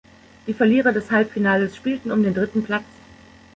Die Verlierer des Halbfinales spielten um den dritten Platz.